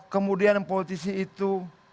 kemudian politisi itu